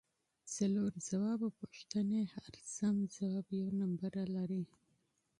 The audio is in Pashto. څلور ځوابه پوښتنې هر سم ځواب یوه نمره لري